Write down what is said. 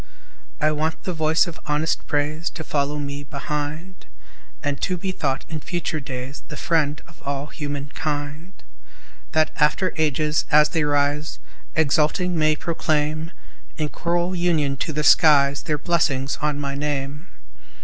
I want the voice of honest praise To follow me behind, And to be thought in future days The friend of human kind, That after ages, as they rise, Exulting may proclaim In choral union to the skies Their blessings on my name.